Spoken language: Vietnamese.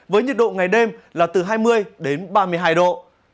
với nhiệt độ ngày đêm là từ hai mươi đến ba mươi hai độ